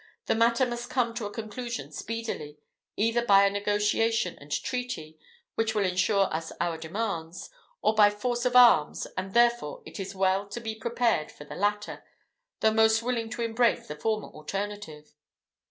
"The matter must come to a conclusion speedily, either by a negotiation and treaty, which will insure us our demands, or by force of arms; and therefore it is well to be prepared for the latter, though most willing to embrace the former alternative."